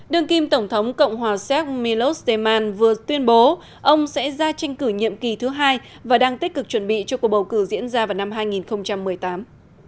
đương kim tổng thống cộng hòa séc milos deman vừa tuyên bố ông sẽ ra tranh cử nhiệm kỳ thứ hai và đang tích cực chuẩn bị cho cuộc bầu cử diễn ra vào năm hai nghìn một mươi tám